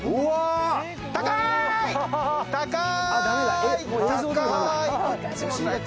高い。